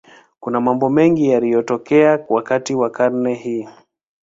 Kuna mambo mengi yaliyotokea wakati wa karne hii.